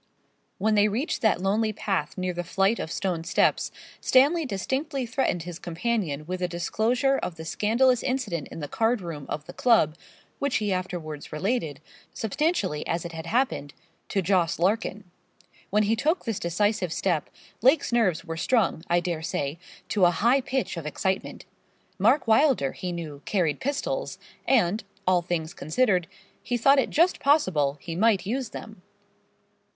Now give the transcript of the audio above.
When they reached that lonely path near the flight of stone steps, Stanley distinctly threatened his companion with a disclosure of the scandalous incident in the card room of the club, which he afterwards related, substantially as it had happened, to Jos. Larkin. When he took this decisive step, Lake's nerves were strung, I dare say, to a high pitch of excitement. Mark Wylder, he knew, carried pistols, and, all things considered, he thought it just possible he might use them.